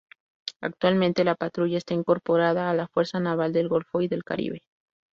Actualmente la patrulla está incorporada a la Fuerza Naval del Golfo y del Caribe.